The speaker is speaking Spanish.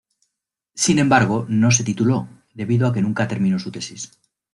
Sin embargo no se tituló debido a que nunca terminó su tesis.